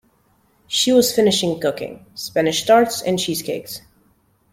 She was finishing cooking — Spanish tarts and cheese-cakes.